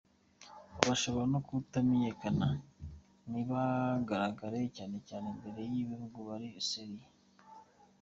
Aba bashobora no kutamenyekana nibagaragare, cyane cyane imbere yabahungu bari sérieux.